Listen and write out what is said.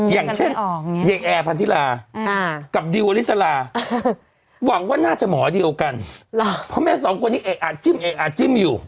อย่างเช่นเด็กแอร์พันธิลากับดิวอลิสลาหวังว่าน่าจะหมอเดียวกันเพราะแม่สองคนนี้เอกอาจจิ้มเอกอาจจิ้มอยู่